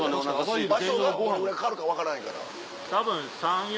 場所がどれぐらいかかるか分からへんから。